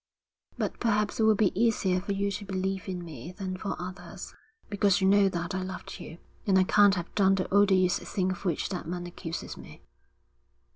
'But perhaps it will be easier for you to believe in me than for others, because you know that I loved you, and I can't have done the odious thing of which that man accuses me.'